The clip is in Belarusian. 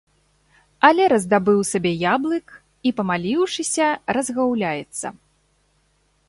Але раздабыў сабе яблык і, памаліўшыся, разгаўляецца.